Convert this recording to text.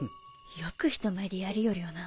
よく人前でやりよるよな。